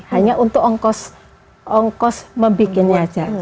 hanya untuk ongkos ongkos membuatnya aja